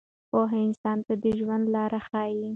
پوهه انسان ته د ژوند لاره ښیي.